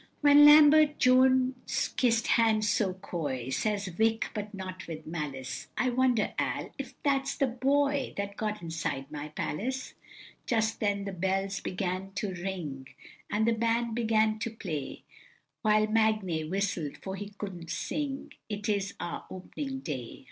When Lambert Jones kiss'd hands, so coy, Says Vic., but not with malice, "I wonder, Al., if that's the boy That got inside my palace?" Just then the bells began to ring, And the band began to play, While Magnay whistled, for he couldn't sing, "It is our op'ning day."